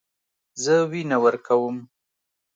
زه وینه ورکوم.